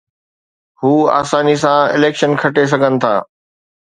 هو آساني سان اليڪشن کٽي سگهن ٿا